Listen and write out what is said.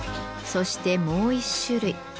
そしてもう一種類。